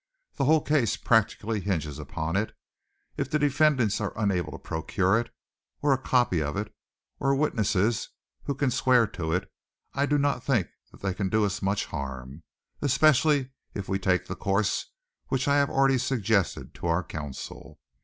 The whole case practically hinges upon it. If the defendants are unable to procure it, or a copy of it, or witnesses who can swear to it, I do not think that they can do us much harm, especially if we take the course which I have already suggested to our counsel.